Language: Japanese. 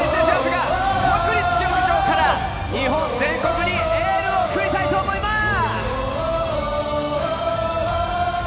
ＪＵＭＰが国立競技場から日本全国にエールを送りたいと思います。